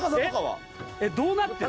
どうなってる？